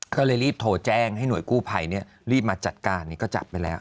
ก็เลยรีบโทรแจ้งให้หน่วยกู้ภัยรีบมาจัดการก็จับไปแล้ว